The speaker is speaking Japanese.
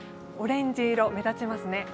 オレンジ色、目立ちますね。